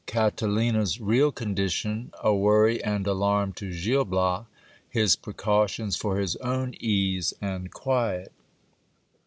— CatalinJs real condiiioti a worry and alarm to Gil Bias. His precautions for his own ease and quiet.